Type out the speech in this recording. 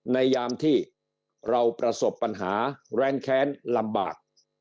ยามที่เราประสบปัญหาแรงแค้นลำบาก